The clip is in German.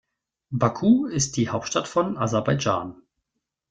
Baku ist die Hauptstadt von Aserbaidschan.